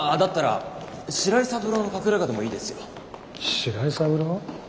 白井三郎？